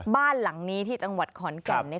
บ้านหลังนี้ที่จังหวัดขอนแก่น